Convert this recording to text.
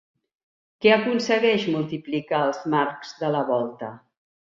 Què aconsegueix multiplicar els marcs de la volta?